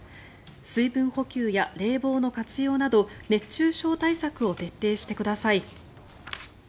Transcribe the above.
水分補給や冷房の活用など熱中症対策を徹底してください。